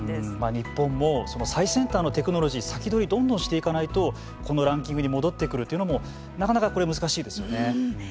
日本もその最先端のテクノロジー先取り、どんどんしていかないとこのランキングに戻ってくるというのもなかなか、これ難しいですよね。